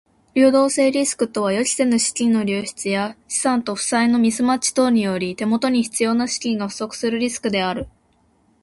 流動性リスクとは予期せぬ資金の流出や資産と負債のミスマッチ等により手元に必要な資金が不足するリスクである。